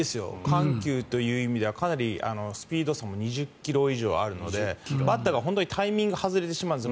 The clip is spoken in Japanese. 緩急という意味ではかなりスピード差も２０ｋｍ以上あるのでバッターが本当にタイミングが外れてしまうんです。